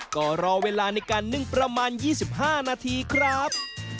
ก็รอเวลาในการนึ่งประมาณ๒๕นาทีครับ